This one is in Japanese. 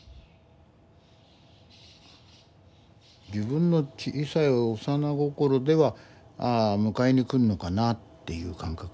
自分の小さい幼な心ではああ迎えに来るのかなっていう感覚？